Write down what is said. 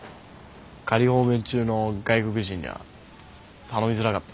仮放免中の外国人には頼みづらかった？